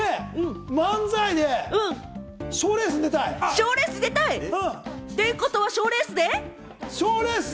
漫才でショーレースに出たい。ということは賞レースで？